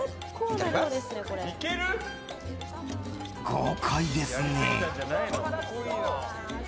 豪快ですね。